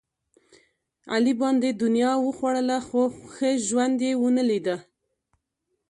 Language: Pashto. علي باندې دنیا وخوړله، خو ښه ژوند یې ونه لیدا.